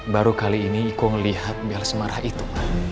baru kali ini iko ngelihat biala semarah itu